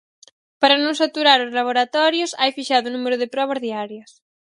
Para non saturar os laboratorios, hai fixado un número de probas diarias.